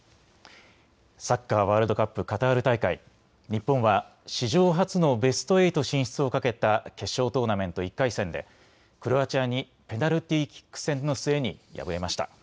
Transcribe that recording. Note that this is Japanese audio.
サッカーワールドカップカタール大会、日本は史上初のベスト８進出をかけた決勝トーナメント１回戦でクロアチアにペナルティーキック戦の末に敗れました。